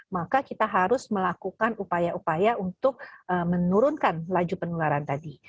maka kita harus melakukan upaya upaya untuk menurunkan laju penularan tadi